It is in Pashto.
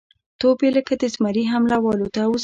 توپ یې لکه د زمري حمله والوته